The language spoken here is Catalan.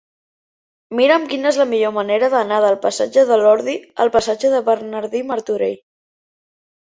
Mira'm quina és la millor manera d'anar del passatge de l'Ordi al passatge de Bernardí Martorell.